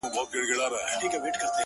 ولي مي هره شېبه ـ هر ساعت پر اور کړوې ـ